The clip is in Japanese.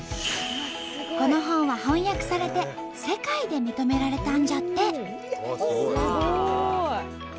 この本は翻訳されて世界で認められたんじゃって。